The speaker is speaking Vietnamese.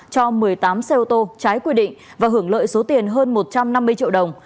cho một mươi tám xe ô tô trái quy định và hưởng lợi số tiền hơn một trăm năm mươi triệu đồng